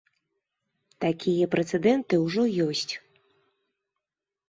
Такія прэцэдэнты ужо ёсць.